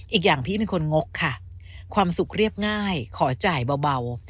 อีกอย่างพี่เป็นคนงกค่ะความสุขเรียบง่ายขอจ่ายเบา